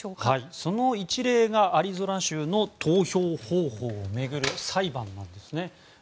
その一例がアリゾナ州の投票方法を巡る裁判なんですね。